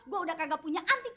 gue udah kagak punya antik